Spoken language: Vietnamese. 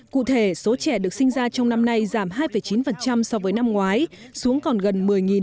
cụ thể số trẻ được sinh ra trong năm nay giảm hai chín so với năm ngoái xuống còn gần một mươi